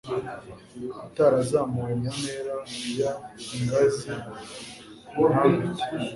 atarazamuwe mu ntera y ingazi ntambik